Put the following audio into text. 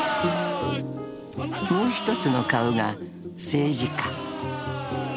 ［もう一つの顔が政治家］